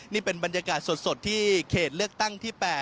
นี่เป็นบรรยากาศสดที่เขตเลือกตั้งที่๘